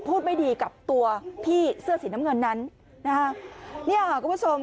ไม่ดีกับตัวพี่เสื้อสีน้ำเงินนั้นนะฮะเนี่ยค่ะคุณผู้ชม